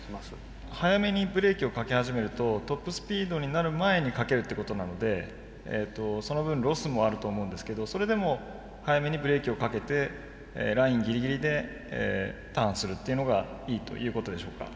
早めにブレーキをかけ始めるとトップスピードになる前にかけるっていうことなのでその分ロスもあると思うんですけどそれでも早めにブレーキをかけてラインギリギリでターンするっていうのがいいということでしょうか？